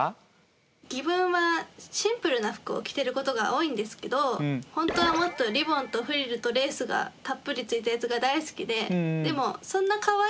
自分はシンプルな服を着てることが多いんですけど本当はもっとリボンとフリルとレースがたっぷり付いたやつが大好きででもそんなかわいい服を